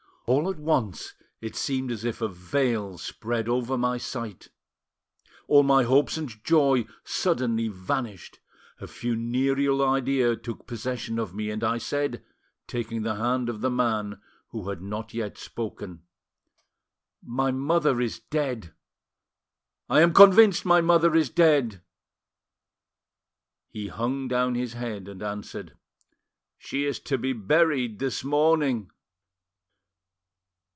All at once it seemed as if a veil spread over my sight, all my hopes and joy suddenly vanished, a funereal idea took possession of me, and I said, taking the hand of the man, who had not yet spoken— "'My mother is dead, I am convinced my mother is dead!' "He hung down his head and answered— "'She is to be buried this morning!